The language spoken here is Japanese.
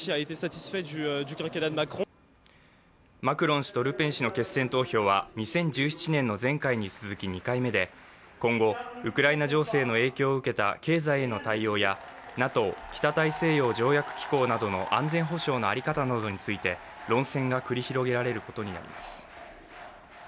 マクロン氏とルペン氏の決選投票は２０１７年の前回に続き２回目で今後ウクライナ情勢の影響を受けた経済への対応や、ＮＡＴＯ＝北大西洋条約機構などの安全保障の在り方などについて論戦が繰り広げられることになります。